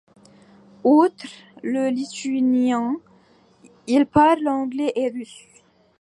Outre le lituanien, il parle anglais et russe.